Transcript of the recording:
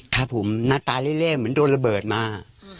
ครับผมหน้าตาเล่เหมือนโดนระเบิดมา